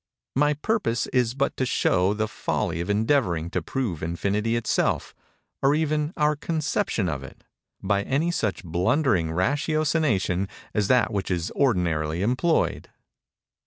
My purpose is but to show the folly of endeavoring to prove Infinity itself or even our conception of it, by any such blundering ratiocination as that which is ordinarily employed.